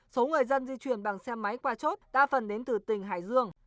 số người dân di chuyển bằng xe máy qua chốt đa phần đến từ tỉnh hải dương